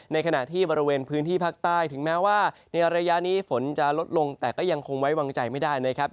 ในขณะที่บริเวณพื้นที่ภาคใต้ถึงแม้ว่าในระยะนี้ฝนจะลดลงแต่ก็ยังคงไว้วางใจไม่ได้นะครับ